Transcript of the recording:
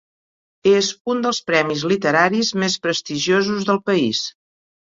És uns dels premis literaris més prestigiosos del país.